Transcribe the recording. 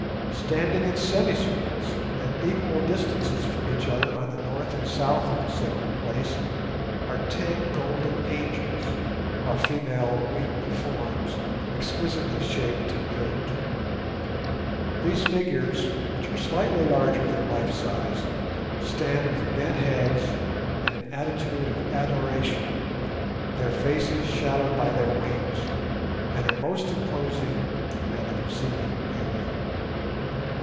Standing in semicircles at equal distances from each other on the north and south of the sacred place are ten golden angels, or female winged forms, exquisitely shaped and draped. These figures, which are slightly larger than life size, stand with bent heads in an attitude of adoration, their faces shadowed by their wings, and are most imposing and of exceeding beauty.